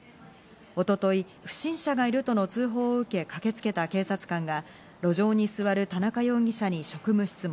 一昨日、不審者がいるとの通報を受け、駆けつけた警察官が路上に座る田中容疑者に職務質問。